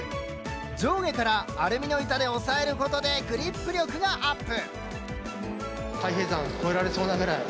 上下からアルミの板で押さえることでグリップ力がアップ。